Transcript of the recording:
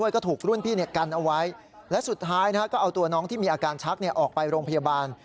ก็เอาตัวน้องที่มีอาการชักออกไปโรงพยาบาล